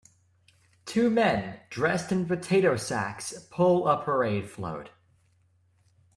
Two men dressed in potato sacks pull a parade float